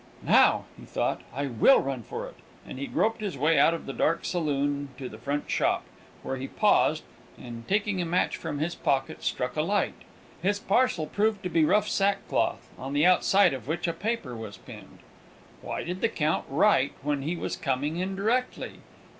"Now," he thought, "I will run for it;" and he groped his way out of the dark saloon to the front shop, where he paused, and, taking a match from his pocket, struck a light. His parcel proved to be rough sackcloth, on the outside of which a paper was pinned. Why did the Count write, when he was coming in directly?